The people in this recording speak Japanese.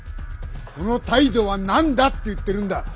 その態度は何だって言ってるんだ！